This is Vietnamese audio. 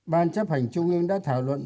ban chấp hành trung ương đã thảo luận